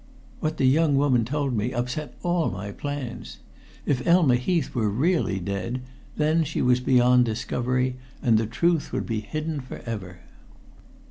What the young woman told me upset all my plans. If Elma Heath were really dead, then she was beyond discovery, and the truth would be hidden forever.